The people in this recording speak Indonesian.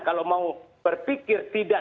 kalau mau berpikir tidak